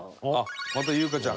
また裕加ちゃん。